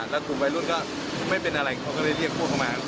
แล้วกลุ่มวัยรุ่นก็ไม่เป็นอะไรเขาก็เลยเรียกพวกเขามา